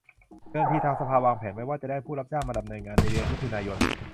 เดิมทีทางสภาวางแผนไว้ว่าจะได้ผู้รับจ้างมาดำเนินงานในเดือนมิถุนายน